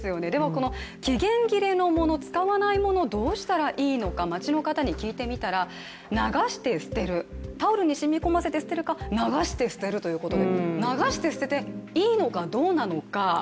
この期限切れのもの、使わないものどうしたらいいのか、街の方に聞いてみたら、流して捨てる、タオルに染み込ませて捨てるか流して捨てる流して捨てていいのかどうなのか。